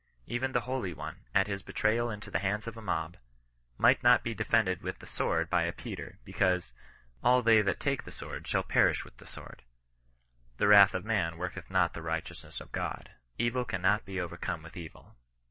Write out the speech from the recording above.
Even the holy one, at his betrayal into the hands of a mob, might not be defended with the sword by a Peter, because, " All they that take the sword shall perish with the sword." The wrath of man worketh not the righteousness of God." Evil cannot be overcome with evil.